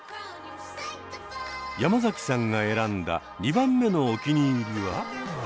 山崎さんが選んだ２番目のおきにいりは？